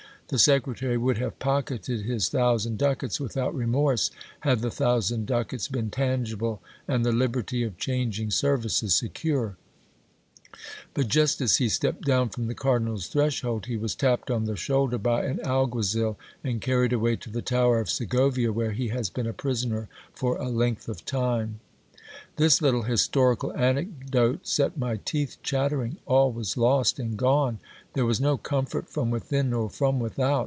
The secretary would have pocketed his thousand ducats without remorse, had the thousand ducats been tangible, and the liberty of changing services secure ; but just as he stepped down from the cardinal's threshold, he was tapped on the shoulder by an alguazil, and carried away to the tower of Segovia, where he has been a prisoner for a length of time. This little historical anecdote set my teeth chattering. All was lost and gone ! There was no comfort from within nor from without